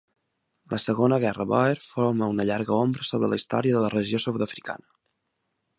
La Segona Guerra Bòer forma una llarga ombra sobre la història de la regió sud-africana.